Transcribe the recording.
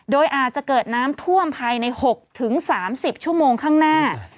โดยอาจจะเกิดน้ำท่วมภายใน๖๓๐ชั่วโมงข้างหน้า